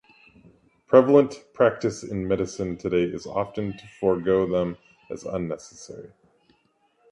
Prevalent practice in medicine today is often to forego them as unnecessary.